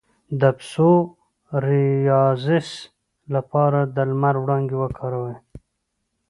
د پسوریازیس لپاره د لمر وړانګې وکاروئ